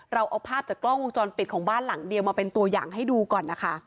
เราเอาภาพจากกล้องวงจรปิดของบ้านหลังเดียวมาเป็นตัวอย่างให้ดูก่อนนะคะ